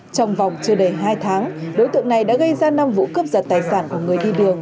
trong vòng chưa đầy hai tháng đối tượng này đã gây ra năm vụ cướp giật tài sản của người đi đường